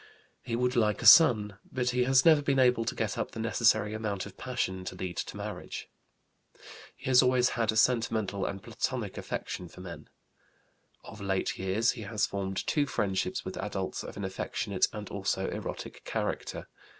He would like a son, but he has never been able to get up the necessary amount of passion to lead to marriage. He has always had a sentimental and Platonic affection for men. Of late years he has formed two friendships with adults of an affectionate and also erotic character.